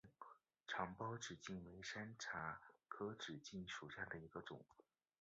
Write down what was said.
长苞紫茎为山茶科紫茎属下的一个种。